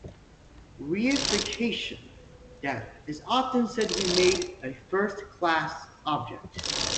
Reification data is often said to be made a first class object.